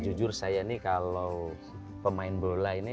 jujur saya ini kalau pemain bola ini